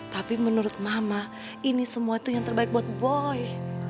tapi menurut mama ini semua itu yang terbaik buat boy